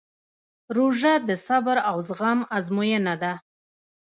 روژه د صبر او زغم ازموینه ده.